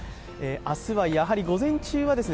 明日はやはり午前中は△。